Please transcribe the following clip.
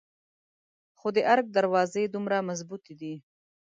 خو د ارګ دروازې دومره مظبوتې دي.